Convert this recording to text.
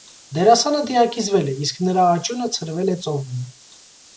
Դերասանը դիակիզվել է, իսկ նրա աճյունը ցրվել է ծովում։